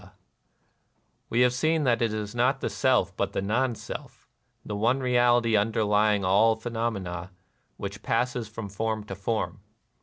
232 NIRVANA We have seen that it is not the Self but the Non Self — the one reality underlying all phenomena — which passes from form to form.